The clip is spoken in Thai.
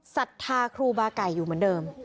ศรัทธาครูบาไก่อยู่เหมือนเดิม